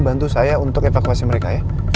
bantu saya untuk evakuasi mereka ya